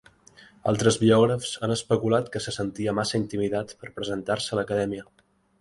Altres biògrafs han especulat que se sentia massa intimidat per presentar-se a l'Acadèmia.